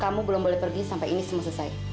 kamu belum boleh pergi sampa ini selesai